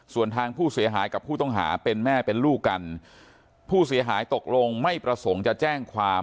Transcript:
ส่วนทางผู้เสียหายกับผู้ต้องหาเป็นแม่เป็นลูกกันผู้เสียหายตกลงไม่ประสงค์จะแจ้งความ